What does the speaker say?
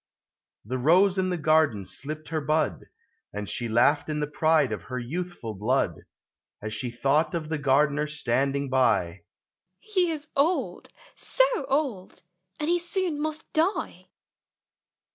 The Rose in the garden slipped her bud, And she laughed in the pride of her youthful blood, As she thought of the Gardener standing by —" He is old — so old